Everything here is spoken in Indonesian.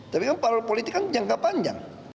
tapi kan partai politik kan jangka panjang